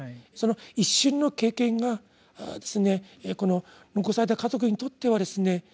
その一瞬の経験がこの残された家族にとってはですね